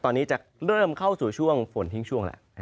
ตอนนี้จะเริ่มเข้าสู่ช่วงฝนทิ้งช่วงแล้ว